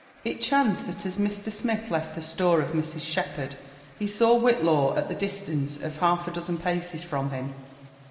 It chanced that as Mr. Smith left the store of Mrs. Shepherd, he saw Whitlaw at the distance of half a dozen paces from him.